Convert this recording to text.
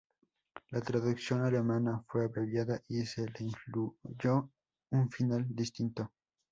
La traducción alemana fue abreviada y se le incluyó un final distinto.